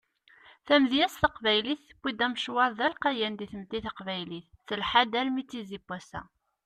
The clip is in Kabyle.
Tamedyazt taqbaylit tewwi-d amecwar d alqayan di tmetti taqbaylit telḥa-d armi d tizi n wass-a.